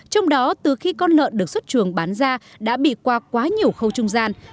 trong đó từ khi con lợn được xuất trường bán ra đã bị qua quá nhiều khâu trung gian